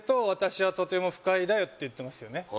「私はとても不快だよ」って言ってますよね